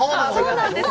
そうなんです。